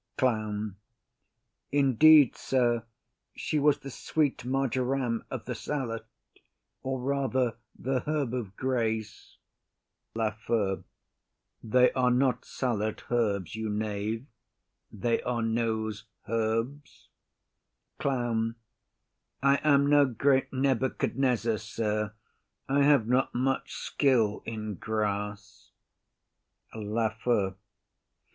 CLOWN. Indeed, sir, she was the sweet marjoram of the salad, or, rather, the herb of grace. LAFEW. They are not herbs, you knave; they are nose herbs. CLOWN. I am no great Nebuchadnezzar, sir; I have not much skill in grass. LAFEW.